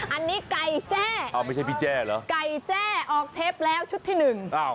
อันนี้ไก่แจ้ออกเทปแล้วชุดที่หนึ่ง